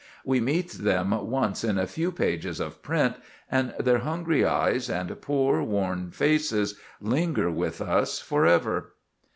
We meet them once in a few pages of print; and their hungry eyes and poor, worn faces linger with us forever.